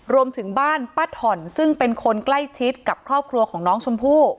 รวมถึงบ้านป้าถ่อนซึ่งเป็นคนใกล้ชิดกับครอบครัวของน้องชมพู่